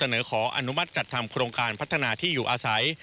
ขออนุมัติจัดทำโครงการพัฒนาที่อยู่อาศัย